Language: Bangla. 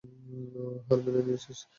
হার মেনে নিয়েছিস?